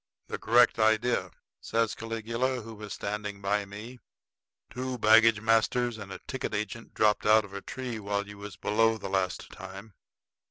"The correct idea," says Caligula, who was standing by me. "Two baggage masters and a ticket agent dropped out of a tree while you was below the last time.